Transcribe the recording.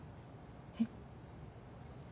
えっ？